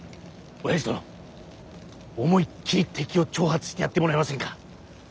おやじ殿思いっきり敵を挑発してやってもらえませんか。